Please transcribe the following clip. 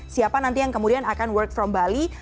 siapa nanti yang kemudian akan work from bali